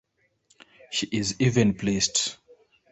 She is even pleased.